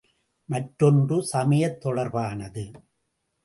மற்றொன்று, சமயத் தொடர்பானது.